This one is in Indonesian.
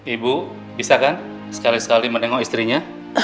ibu bisa kan sekali sekali mendengok istrinya